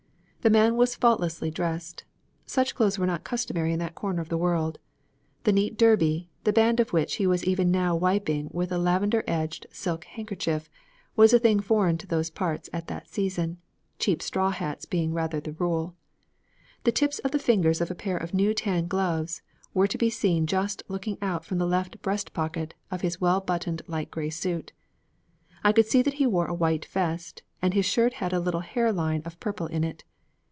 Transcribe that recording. The man was faultlessly dressed. Such clothes were not customary in that corner of the world. The neat derby, the band of which he was even now wiping with a lavender edged silk handkerchief, was a thing foreign to those parts at that season, cheap straw hats being rather the rule. The tips of the fingers of a pair of new tan gloves were to be seen just looking out from the left breast pocket of his well buttoned light gray suit. I could see that he wore a white vest, and his shirt had a little hair line of purple in it.